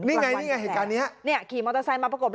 นี่ไงเหตุการณ์นี้นี่ขี่มอเตอร์ไซค์มาประกบ